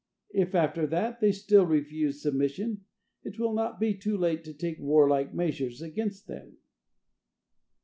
If after that they still refuse submission, it will not be too late to take warlike measures against them."